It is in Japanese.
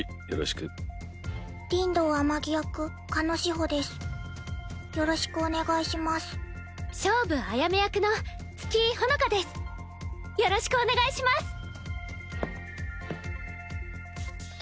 よろしくお願いします。